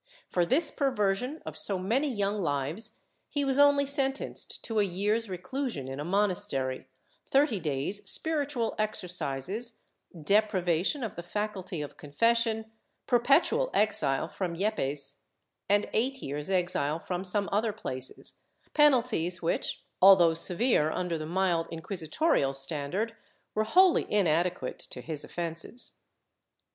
For this perversion of so many young lives he was only sentenced to a year's reclusion in a monastery, thirty days' spiritual exercises, deprivation of the faculty of confession, perpetual exile from Yepes and eight years' exile from some other places — penalties which, although severe under the mild inquisitorial standard, were wholly inadequate to his offences.